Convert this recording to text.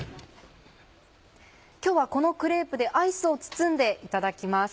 今日はこのクレープでアイスを包んでいただきます。